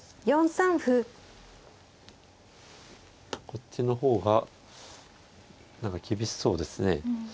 こっちの方が何か厳しそうですね。